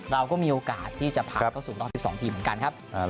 เราก็มีโอกาสที่จะผ่านเข้าสู่รอบ๑๒ทีมเหมือนกันครับ